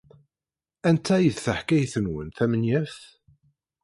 Anta ay d taḥkayt-nwen tamenyaft?